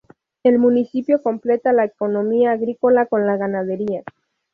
El municipio complementa la economía agrícola con la ganadería.